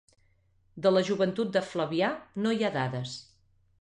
De la joventut de Flavià no hi ha dades.